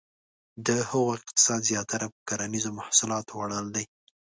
د هغو اقتصاد زیاتره په کرنیزه محصولاتو ولاړ دی.